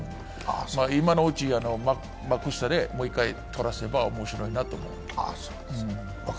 今のうち幕下でもう一回取らせば面白いなと思う。